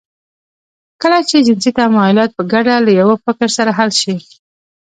کله چې جنسي تمايلات په ګډه له يوه فکر سره حل شي.